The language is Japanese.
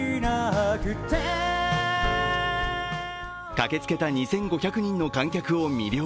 駆けつけた２５００人の観客を魅了。